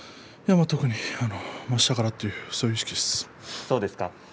特に下からというそういう意識です。